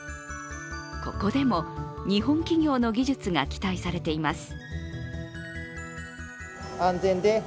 ここでも日本企業の技術が期待されています。